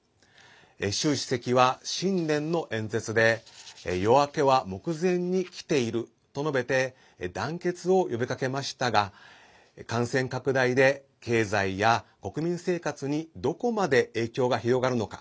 習主席は新年の演説で夜明けは目前にきていると述べて団結を呼びかけましたが感染拡大で経済や国民生活にどこまで影響が広がるのか。